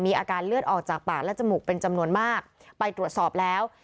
มีอาการเลือดออกจากปากและจมูกเป็นจำนวนมากไปตรวจสอบแล้ว